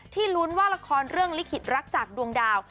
ลุ้นว่าละครเรื่องลิขิตรักจากดวงดาว